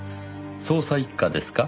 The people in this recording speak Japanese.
捜査一課ですか？